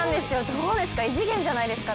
どうですか、異次元じゃないですか？